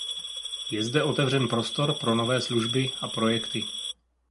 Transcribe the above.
Je zde otevřen prostor pro nové služby a projekty.